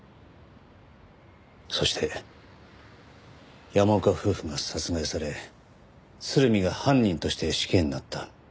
そして山岡夫婦が殺害され鶴見が犯人として死刑になった。